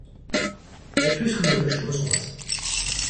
ერთვის ხმელთაშუა ზღვას.